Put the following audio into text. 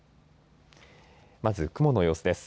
まず雲の様子です。